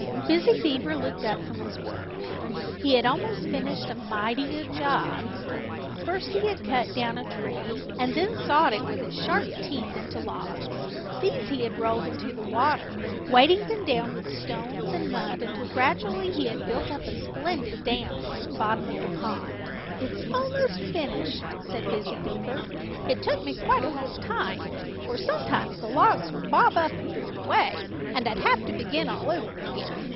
Busy Beaver looked up from his work. He had almost finished a mighty good job. First, he had cut down a tree, and then sawed it with his sharp teeth into logs. These he had rolled into the water, weighting them down with stones and mud until gradually he had built up a splendid dam from the bottom of the pond. "It's almost finished," said Busy Beaver. "It took me quite a long time, for sometimes the logs would bob up and drift away, and I'd have to begin all over again.